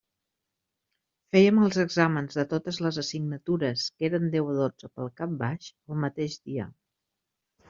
Fèiem els exàmens de totes les assignatures, que eren deu o dotze pel cap baix, el mateix dia.